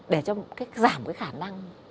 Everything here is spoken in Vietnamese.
để giảm cái khả năng